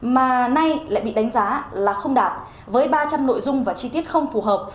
mà nay lại bị đánh giá là không đạt với ba trăm linh nội dung và chi tiết không phù hợp